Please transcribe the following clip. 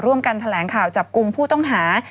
ร่วมกันแถลงข่าวจับกลุ่มผู้ต้องหา